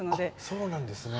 そうなんですね。